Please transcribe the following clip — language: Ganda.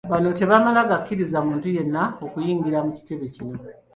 Bano tebamala gakkiriza muntu yenna kuyingira mu kitebe kino